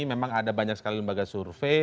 memang ada banyak sekali lembaga survei